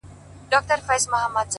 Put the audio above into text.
هره ورځ د اصلاح امکان شته’